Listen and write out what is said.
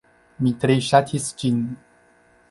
Mi tre ŝatis ĝin